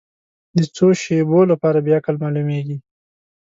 د څو شیبو لپاره بې عقل معلومېږي.